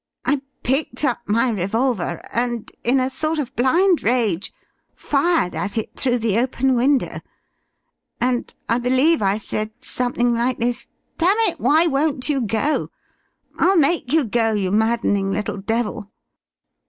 I picked up my revolver and, in a sort of blind rage, fired at it through the open window; and I believe I said something like this: 'Damn it, why won't you go? I'll make you go, you maddening little devil!'